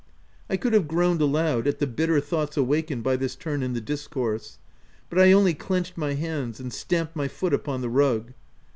I could have groaned aloud at the bitter thoughts awakened by this turn in the discourse. But I only clenched my hands, and stamped my foot upon the rug.